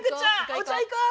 お茶行こう。